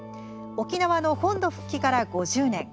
沖縄の本土復帰から５０年。